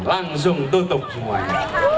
langsung tutup semuanya